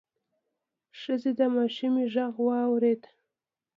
ښځې د ماشومې غږ واورېد: